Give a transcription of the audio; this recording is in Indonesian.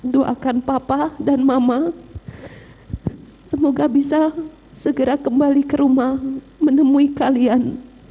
doakan papa dan mama semoga bisa segera kembali ke rumah menemui kalian